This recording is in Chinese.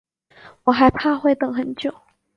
我还怕会等很久